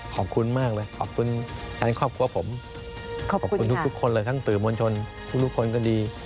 ขอบคุณมากเลยขอบคุณทั้งครอบครัวผมขอบคุณทุกคนเลยทั้งสื่อมวลชนทุกคนก็ดี